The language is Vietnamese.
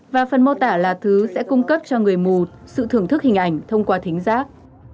và phần mô tả là thứ sẽ cung cấp cho người mù sự thưởng thức hình ảnh thông qua thính giác